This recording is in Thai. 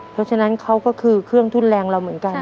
เพราะฉะนั้นเขาก็คือเครื่องทุนแรงเราเหมือนกัน